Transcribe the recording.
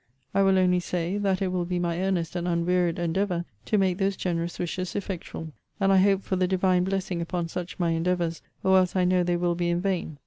I will only say, that it will be my earnest and unwearied endeavour to make those generous wishes effectual: and I hope for the Divine blessing upon such my endeavours, or else I know they will be in vain.